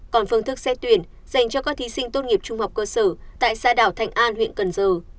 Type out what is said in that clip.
còn phương thức xét tuyển dành cho các thí sinh tốt nghiệp trung học cơ sở tại xã đảo thạnh an huyện cần giờ